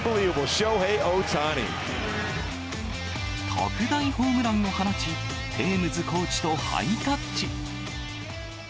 特大ホームランを放ち、テームズコーチとハイタッチ。